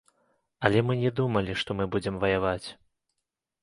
Але мы не думалі, што мы будзем ваяваць!